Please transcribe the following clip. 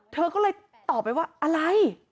เธอก็เลยตอบไปว่าอะไร